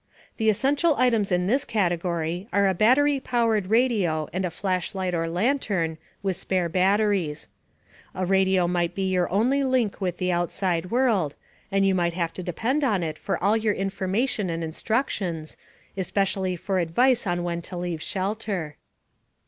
The essential items in this category are a battery powered radio and a flashlight or lantern, with spare batteries. The radio might be your only link with the outside world, and you might have to depend on it for all your information and instructions, especially for advice on when to leave shelter.